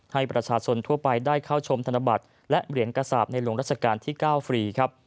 ให้ประชาชนทั่วไปได้เข้าชมธนบัตรและเหรียญกระสาปในหลวงรัชกาลที่๙ฟรีครับ